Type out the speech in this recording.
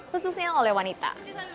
khususnya oleh wanita